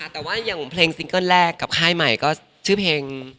แต่ว่าอย่างเพลงซิงเกิ้ลแรกกับค่ายใหม่ก็ชื่อเพลง